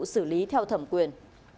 xử lý theo thẩm quyền